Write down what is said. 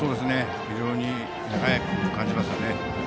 非常に速く感じましたね。